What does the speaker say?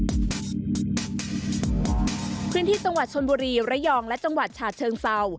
มีความรู้สึกว่าพื้นที่สวรรค์ชนบุรีระยองและจังหวัดฉาเชิงเซา